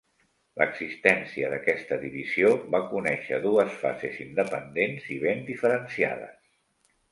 L'existència d'aquesta Divisió va conèixer dues fases independents i ben diferenciades.